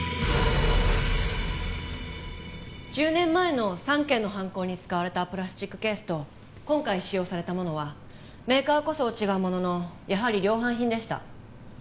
１０年前の３件の犯行に使われたプラスチックケースと今回使用されたものはメーカーこそ違うもののやはり量販品でした。